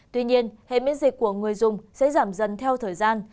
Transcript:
tuy nhiên hệ miễn dịch của người dùng sẽ giảm dần theo thời gian